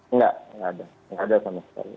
enggak enggak ada sama sekali